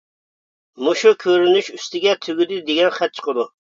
مۇشۇ كۆرۈنۈش ئۈستىگە ‹تۈگىدى› دېگەن خەت چىقىدۇ.